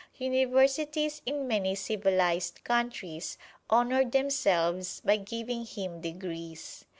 Universities in many civilized countries honored themselves by giving him degrees.